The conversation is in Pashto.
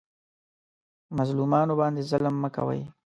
مظلومانو باندې ظلم مه کوئ